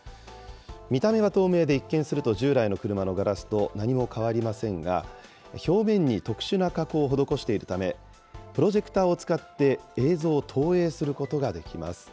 見た目は透明で、一見すると従来の車のガラスと何も変わりませんが、表面に特殊な加工を施しているため、プロジェクターを使って映像を投影することができます。